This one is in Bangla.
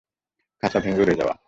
খাচা ভেঙে উড়ে যাওয়া।